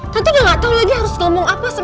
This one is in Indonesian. tante udah gak tahu lagi harus ngomong apa